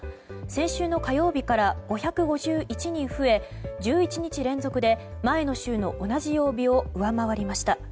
先週の火曜日から５５１人増え１１日連続で前の週の同じ曜日を上回りました。